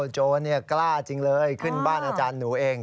โจรกล้าจริงเลยขึ้นบ้านอาจารย์หนูเอง